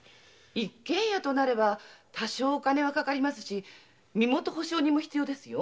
一軒家となれば多少お金はかかりますし身元保証人も必要ですよ。